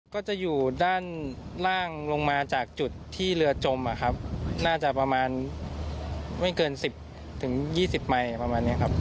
ก็จะอยู่ด้านล่างลงมาจากจุดที่เรือจมอะครับน่าจะประมาณไม่เกินสิบถึงยี่สิบไมค์ประมาณเนี้ยครับ